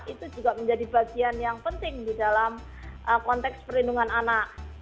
itu juga menjadi bagian yang penting di dalam konteks perlindungan anak